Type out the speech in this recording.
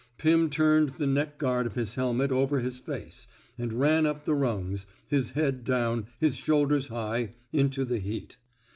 Pim turned the neck gudrd of his helmet over his face, and ran up the rungs, his head down, his shoulders high, into the heat.